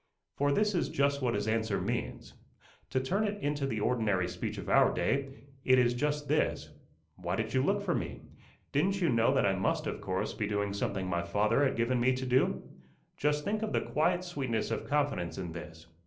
For this is just what his answer means. To turn it into the ordinary speech of our day, it is just this: 'Why did you look for me? Didn't you know that I must of course be doing something my Father had given me to do?' Just think of the quiet sweetness of confidence in this.